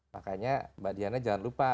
makanya mbak diana jangan lupa